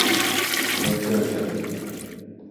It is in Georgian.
საქართველოს ეროვნულ მუზეუმში დაცულია ბერძნულწარწერებიანი ქვა.